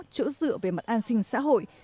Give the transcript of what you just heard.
chỗ dựa về mặt an sinh xã hội